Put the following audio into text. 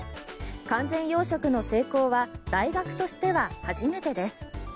完全養殖の成功は大学としては初めてです。